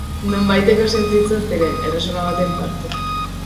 Nonbaiteko sentitzen ziren, erresuma baten parte.